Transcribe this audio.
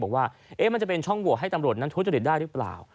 บอกว่าเอ๊ะมันจะเป็นช่องบัวให้ตำรวจนั้นทดสอดีตได้หรือเปล่า